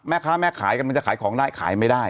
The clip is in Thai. แม่ค้าแม่ขายกำลังจะขายของได้ขายไม่ได้